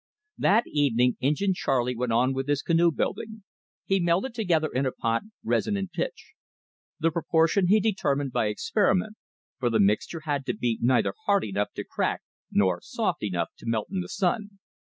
That evening Injin Charley went on with his canoe building. He melted together in a pot, resin and pitch. The proportion he determined by experiment, for the mixture had to be neither hard enough to crack nor soft enough to melt in the sun.